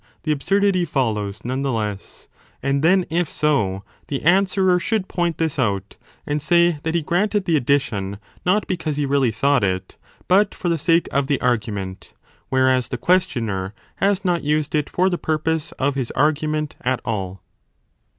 i8i a DE SOPHISTICIS ELENCHIS absurdity follows none the less : and then if so, the answerer should point this out, and say that he granted the addition not because he really thought it, but for the sake of the argument, whereas the questioner has not used it for the 35 purpose of his argument at all.